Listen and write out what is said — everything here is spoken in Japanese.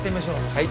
はい。